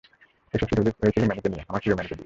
এসব শুরু হয়েছিল ম্যানিকে দিয়ে, আমার প্রিয় ম্যানিকে দিয়ে।